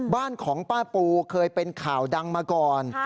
บ้านของป้าปูเคยเป็นข่าวดังมาก่อน